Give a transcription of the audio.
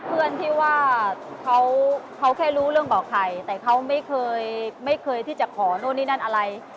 เพื่อนที่ว่าเขาแค่รู้เรื่องบอกไข่แต่เขาไม่เคยไม่เคยที่จะขอนู่นนี่นั่นอะไร